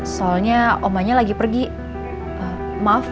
soalnya omanya lagi pergi maaf